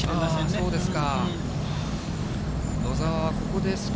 そうですか。